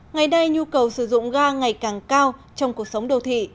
ngày nay nhu cầu sử dụng ga ngày càng cao trong cuộc sống đô thị